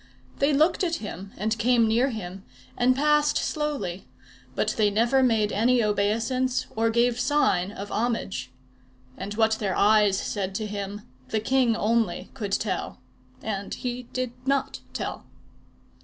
They looked at him, and came near him, and passed slowly, but they never made any obeisance, or gave sign of homage. And what their eyes said to him, the king only could tell. And he did not tell.